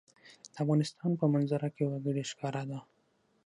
د افغانستان په منظره کې وګړي ښکاره ده.